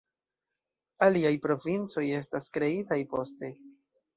Aliaj provincoj estas kreitaj poste.